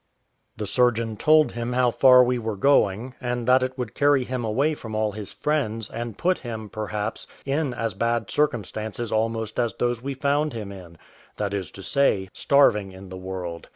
The surgeon told him how far we were going, and that it would carry him away from all his friends, and put him, perhaps, in as bad circumstances almost as those we found him in, that is to say, starving in the world.